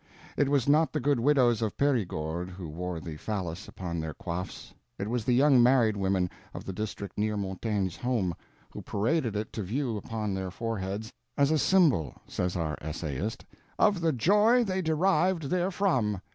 It was not the good widows of Perigord who wore the phallus upon their coifs; it was the young married women, of the district near Montaigne's home, who paraded it to view upon their foreheads, as a symbol, says our essayist, "of the joy they derived therefrom."